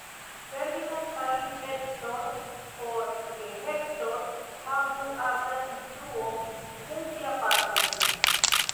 Ferdinand pagis Hector, por ke Hector havu artan instruon kun sia patro.